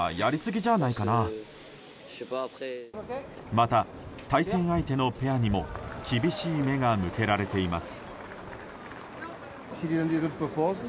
また、対戦相手のペアにも厳しい目が向けられています。